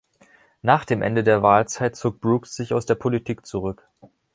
Nach dem Ende der Wahlzeit zog Brooks sich aus der Politik zurück.